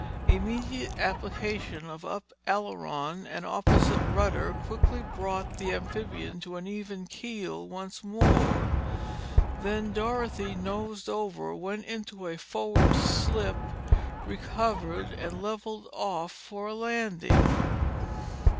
Immediate application of up aileron and opposite rudder quickly brought the amphibian to an even keel once more. Then Dorothy nosed over, went into a forward slip, recovered and leveled off for a landing.